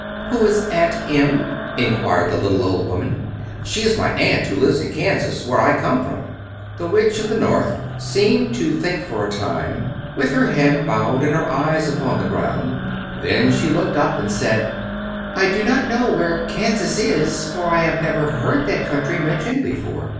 "Who is Aunt Em?" inquired the little old woman. "She is my aunt who lives in Kansas, where I came from." The Witch of the North seemed to think for a time, with her head bowed and her eyes upon the ground. Then she looked up and said, "I do not know where Kansas is, for I have never heard that country mentioned before.